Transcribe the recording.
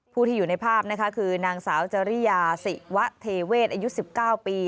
ผู้ที่อยู่ในภาพนะคะคือนางสาวจริยาศิวะเทเวศอายุ๑๙ปี